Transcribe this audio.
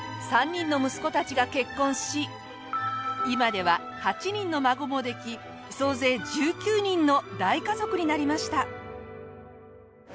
３人の息子たちが結婚し今では８人の孫もでき総勢１９人の大家族になりました。